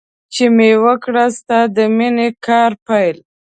چې مې وکړ ستا د مینې کار پیل.